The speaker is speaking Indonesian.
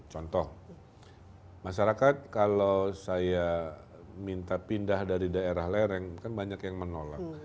contoh masyarakat kalau saya minta pindah dari daerah lereng kan banyak yang menolak